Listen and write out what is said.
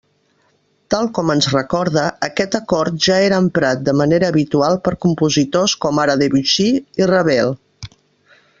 Tal com ens recorda, aquest acord ja era emprat de manera habitual per compositors com ara Debussy i Ravel.